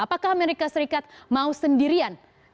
apakah amerika serikat mau sendirian